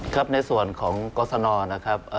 ครับในส่วนของกรสนนะครับ